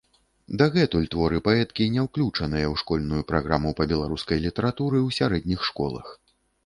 Дагэтуль творы паэткі не ўключаныя ў школьную праграму па беларускай літаратуры ў сярэдніх школах.